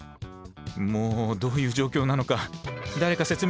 もうどういう状況なのか誰か説明して下さい。